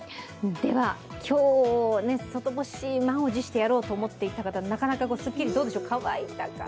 今日、外干し、満を持してやろうと思っていた方、なかなかすっきり、どうでしょう乾いたかな？